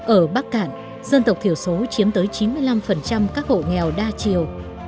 ở bắc cạn dân tộc thiểu số chiếm tới chín mươi năm các hộ nghèo đa chiều